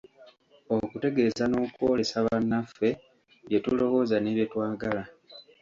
Okutegeeza n'okwolesa bannaffe bye tulowooza ne bye twagala.